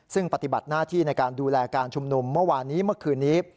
ซึ่งปฏิบัติหน้าที่ในการดูแลการชุมนุมเมื่อวานนี้เมื่อคืนนี้